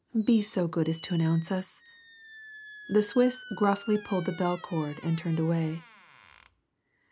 Be so good as to announce us." The Swiss gruffly pulled the bell cord and turned away.